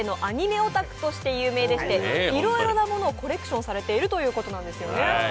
オタクとして有名でいろいろなものをコレクションされているということですね。